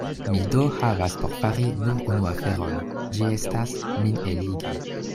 Mi do havas por fari nur unu aferon: ĝi estas, min eligi.